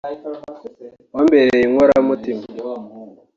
wambereye inkoramutima